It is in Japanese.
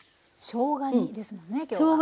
しょうが煮ですもんね今日は。